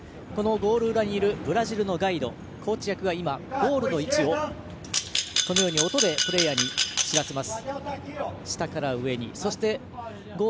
ゴール裏にいるブラジルのガイドコーチ役がゴールの位置を音でプレーヤーに知らせます。